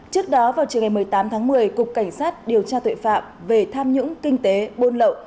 trước đó vào chiều ngày một mươi tám tháng một mươi cục cảnh sát điều tra tội phạm về tham nhũng kinh tế buôn lậu